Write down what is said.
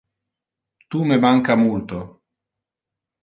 Tu me mancava multo.